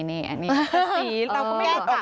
สีเราก็ไม่ได้ออกมานะ